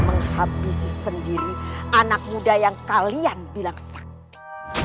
menghabisi sendiri anak muda yang kalian bilang sakit